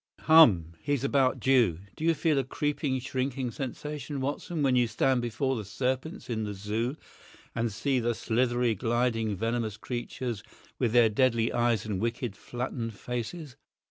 "Hum! He's about due. Do you feel a creeping, shrinking sensation, Watson, when you stand before the serpents in the Zoo and see the slithery, gliding, venomous creatures, with their deadly eyes and wicked, flattened faces?